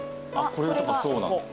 これとかそうなの？